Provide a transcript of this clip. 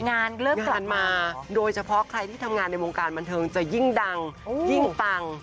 งานเริ่มกลับมาโดยเฉพาะใครที่ทำงานในวงการบันเทิงจะยิ่งดังยิ่งปัง